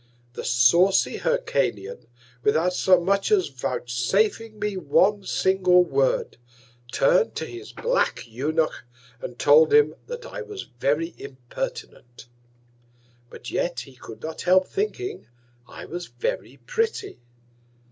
The saucy Hyrcanian, without so much as vouchsafing me one Single Word, turn'd to his black Eunuch, and told him that I was very impertinent; but yet he could not help thinking I was very pretty.